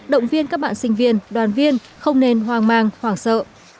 động viên các bạn sinh viên đoàn viên không nên hoang mang hoảng sợ